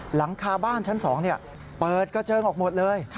หลังคาบ้านชั้น๒เปิดกระเจิงออกหมดเลย